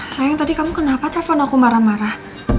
sayang tadi kamu kenapa telpon aku marah marah